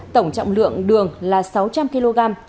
tổng trọng lượng đường là sáu trăm linh kg